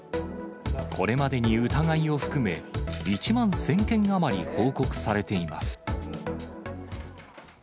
これまでに疑いを含め、１万１０００件余り報告されています。